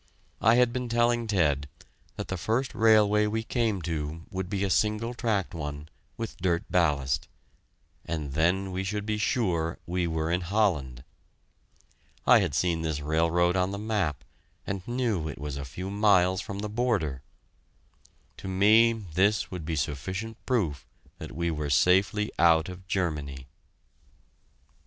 I had been telling Ted that the first railway we came to would be a single tracked one, with dirt ballast, and then we should be sure we were in Holland. I had seen this railroad on the map, and knew it was a few miles from the border. To me, this would be sufficient proof that we were safely out of Germany.